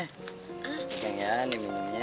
pegang ya ini minumnya